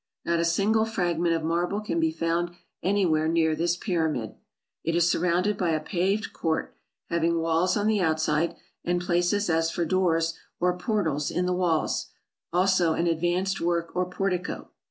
Not a single fragment of marble can be found anywhere near this pyramid. It is surrounded by a paved court, having walls on the outside, and places as for doors or portals in the walls ; also an advanced work or portico.